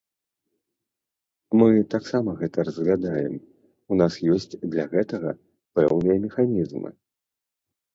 Мы таксама гэта разглядаем, у нас ёсць для гэтага пэўныя механізмы.